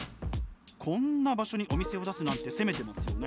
こんな場所にお店を出すなんて攻めてますよね！